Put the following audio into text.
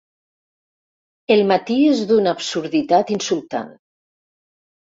El matí és d'una absurditat insultant.